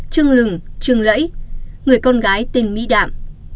trưng lừng trương lẫy người con gái tên mỹ đạm